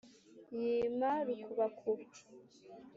yima rukubakuba